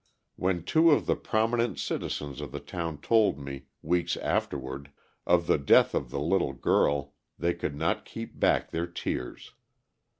When two of the prominent citizens of the town told me, weeks afterward, of the death of the little girl, they could not keep back their tears.